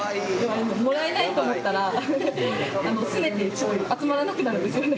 もらえないと思ったらすねて集まらなくなるんですよね。